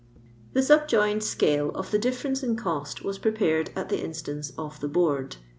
The subjoined scale of the difference in cost waa prepared at the instance of the Board.